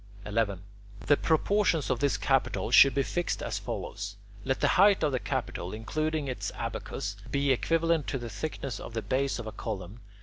11. The proportions of this capital should be fixed as follows. Let the height of the capital, including its abacus, be equivalent to the thickness of the base of a column.